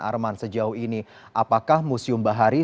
arman sejauh ini apakah museum bahari